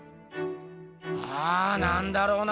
うんなんだろうな。